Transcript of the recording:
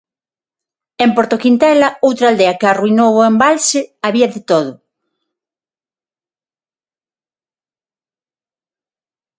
En Portoquintela, outra aldea que arruinou o embalse, había de todo.